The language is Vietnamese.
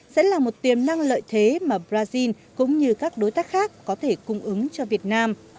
sẽ là một tiềm năng lợi thế mà brazil cũng như các đối tác khác có thể cung ứng cho việt nam